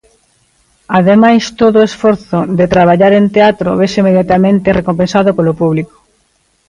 Ademais todo o esforzo de traballar en teatro vese inmediatamente recompensado polo público.